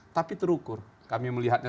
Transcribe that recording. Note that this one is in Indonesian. tapi terukur kami melihatnya